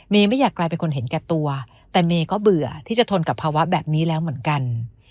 ไม่อยากกลายเป็นคนเห็นแก่ตัวแต่เมย์ก็เบื่อที่จะทนกับภาวะแบบนี้แล้วเหมือนกัน